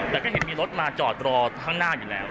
แต่ก็เห็นมีรถมาจอดรอข้างหน้าอยู่แล้ว